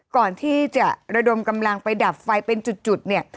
ก่อนที่จะระดมกำลังไปดับไฟเป็นจุดเนี่ย